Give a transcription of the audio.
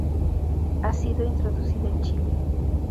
Ha sido introducida en Chile.